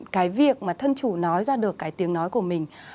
cái việc mà thân chủ nói ra được cái tiếng nói của mình